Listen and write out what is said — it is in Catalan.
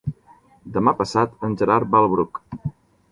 Demà passat en Gerard va al Bruc.